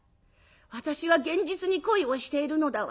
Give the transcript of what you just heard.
私は現実に恋をしているのだわ。